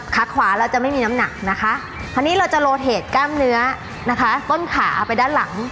ขาขวาเราจะไม่มีน้ำหนักนะคะคราวนี้เราจะโลเทดกล้ามเนื้อนะคะต้นขาไปด้านหลัง